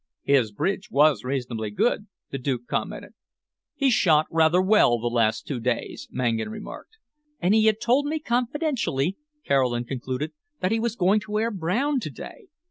"His bridge was reasonably good," the Duke commented. "He shot rather well the last two days," Mangan remarked. "And he had told me confidentially," Caroline concluded, "that he was going to wear brown to day.